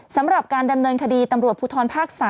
สำหรับการดำเนินคดีตำรวจภูทรภาค๓